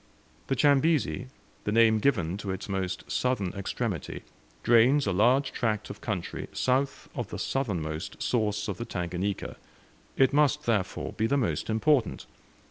The Chambezi, the name given to its most southern extremity, drains a large tract of country south of the southernmost source of the Tanganika; it must, therefore, be the most important.